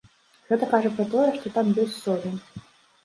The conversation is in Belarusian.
Гэта кажа пра тое, што там ёсць солі.